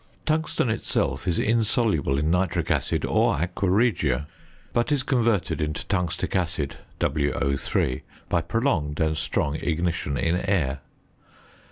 Tungsten itself is insoluble in nitric acid or aqua regia; but is converted into tungstic acid (WO_) by prolonged and strong ignition in air.